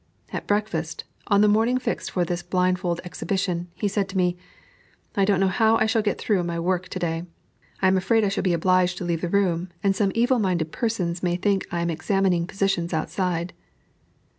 At breakfast, on the morning fixed for this blindfold exhibition, he said to me, "I don't know how I shall get through my work to day. I am afraid I shall be obliged to leave the room, and some evil minded persons may think I am examining positions outside."